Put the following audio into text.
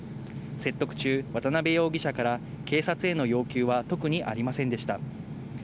説得中、渡辺容疑者から警察への要求は特にありませんでした。